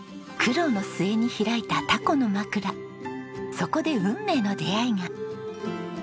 そこで運命の出会いが。